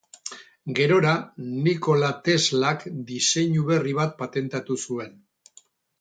Gerora, Nikola Teslak diseinu berri bat patentatu zuen.